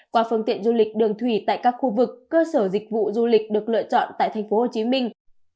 qua phương tiện du lịch đường thủy tại các khu vực cơ sở dịch vụ du lịch được lựa chọn tại thành phố hồ chí minh